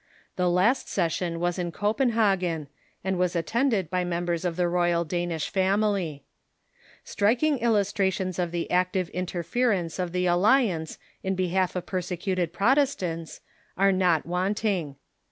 The last session was in Copenhagen, and was attended by mem bers of the royal Danish family. Sti'iking illustrations of the active interference of the Alliance in behalf of persecuted Protestants are not wanting.